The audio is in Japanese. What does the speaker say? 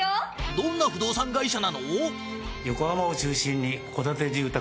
どんな不動産会社なの？